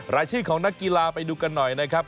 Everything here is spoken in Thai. รายชื่อของนักกีฬาไปดูกันหน่อยนะครับ